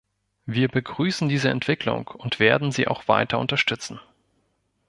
Wir begrüßen diese Entwicklung und werden sie auch weiter unterstützen.